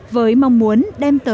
với mong muốn đem tổ chức